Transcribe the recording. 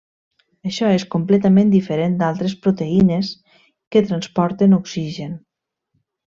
Això és completament diferent d'altres proteïnes que transporten oxigen.